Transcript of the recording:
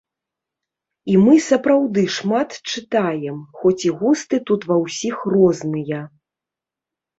І мы сапраўды шмат чытаем, хоць і густы тут ва ўсіх розныя.